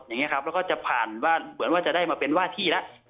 แล้วก็จะผ่านว่าจะได้มาเป็นว่าที่แล้ว